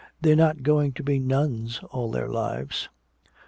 They're not going to be nuns all their lives!"